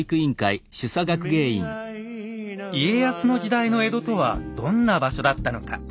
家康の時代の江戸とはどんな場所だったのか？